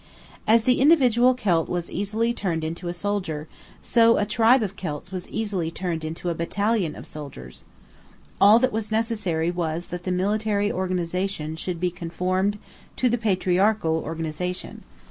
As the individual Celt was easily turned into a soldier, so a tribe of Celts was easily turned into a battalion of soldiers. All that was necessary was that the military organization should be conformed to the patriarchal organization.